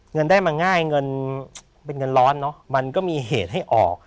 เงินได้มาง่ายเงินเป็นเงินร้อนเนอะมันก็มีเหตุให้ออก